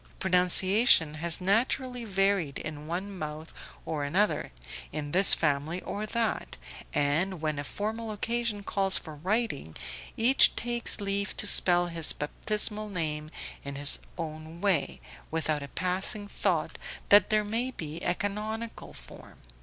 Pronunciation has naturally varied in one mouth or another, in this family or that, and when a formal occasion calls for writing, each takes leave to spell his baptismal name in his own way, without a passing thought that there may be a canonical form.